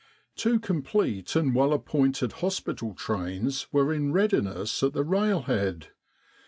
Two complete and well appointed hospital trains were in readiness at the railhead.